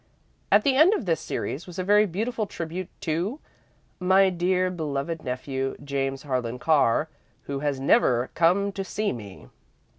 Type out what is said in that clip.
At the end of this series was a very beautiful tribute to "My Dearly Beloved Nephew, James Harlan Carr, Who Has Never Come to See Me."